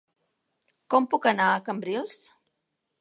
Com puc anar a Cambrils?